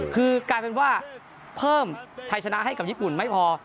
คือกลายเป็นว่าเพิ่มไทยชนะให้กับญี่ปุ่นไม่พอ